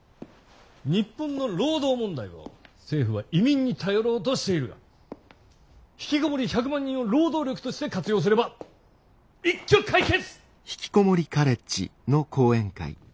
日本の労働問題を政府は移民に頼ろうとしているがひきこもり１００万人を労働力として活用すれば一挙解決！